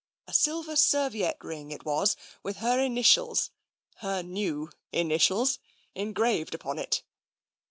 A silver serviette ring it was, with her initials — her new in itials — engraved upon it."